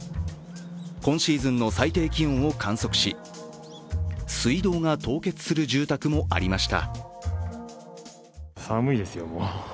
今シーズンの最低気温を観測し水道が凍結する住宅もありました。